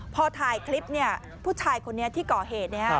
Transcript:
พอถ่ายคลิปเนี่ยผู้ชายคนนี้ที่เกาะเหตุนะครับ